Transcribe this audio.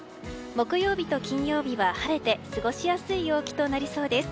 木曜日と金曜日は晴れて過ごしやすい陽気となりそうです。